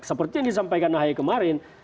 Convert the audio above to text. seperti yang disampaikan ahy kemarin